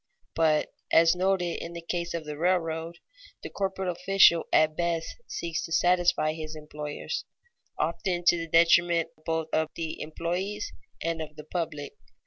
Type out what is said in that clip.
But, as noted in the case of the railroad, the corporate official at best seeks to satisfy his employers, often to the detriment both of the employes and of the public.